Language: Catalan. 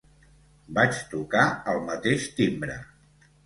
Vaig tocar al mateix timbre.